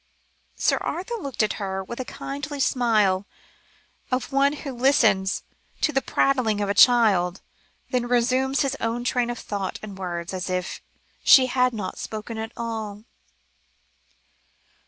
Sir Arthur looked at her with the kindly smile of one who listens to the prattling of a child, then resumed his own train of thought and words, as if she had not spoken at all.